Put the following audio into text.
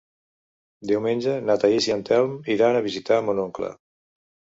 Diumenge na Thaís i en Telm iran a visitar mon oncle.